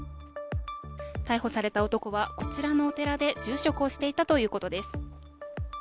逮捕された男は、こちらのお寺で住職をしていたということです。